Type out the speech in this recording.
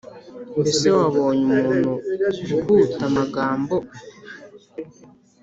mbese wabonye umuntu uhuta amagambo’